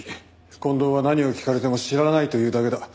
近藤は何を聞かれても知らないと言うだけだ。